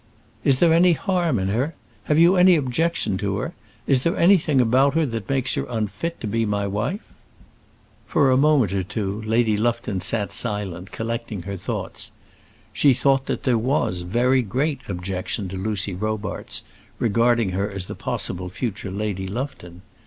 "Is there any harm in her? Have you any objection to her? Is there anything about her that makes her unfit to be my wife?" For a moment or two Lady Lufton sat silent, collecting her thoughts. She thought that there was very great objection to Lucy Robarts, regarding her as the possible future Lady Lufton.